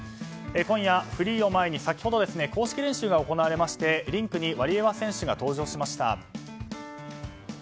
今夜、フリーを前に先ほど公式練習が行われましてリンクにワリエワ選手が登場しました。